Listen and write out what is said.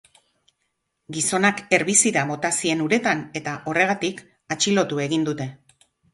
Gizonak herbizida bota zien uretan eta, horregatik, atxilotu egin dute.